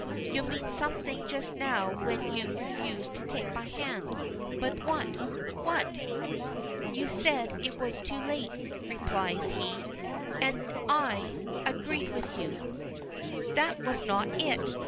"You meant something just now when you refused to take my hand. But what? What?" "You said it was too late," replies he. "And I agreed with you." "That was not it!"